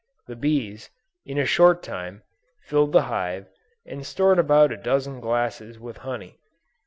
The bees, in a short time, filled the hive and stored about a dozen glasses with honey.